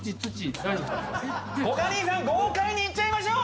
コカ兄さん豪快にいっちゃいましょう！